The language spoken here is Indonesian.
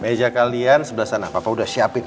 meja kalian sebelah sana papa udah siapin